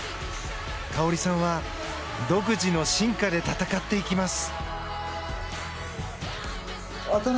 花織さんは独自の進化で戦っていきます！